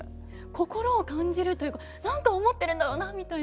心を感じるというか何か思ってるんだろうなみたいな。